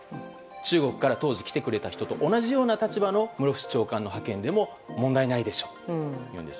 中国から当時来てくれた人と同じような立場の室伏長官の派遣でも問題ないでしょうというんです。